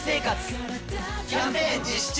キャンペーン実施中！